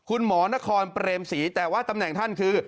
คุณหมอนครเปรมศรีแต่ว่าตำแหน่งท่านคือ